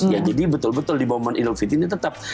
ya jadi betul betul di momen idul fitri ini tetap